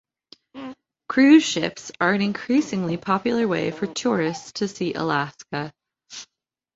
Cruise ships are an increasingly popular way for tourists to see Alaska.